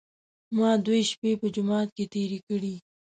ما دوې شپې په جومات کې تېرې کړې.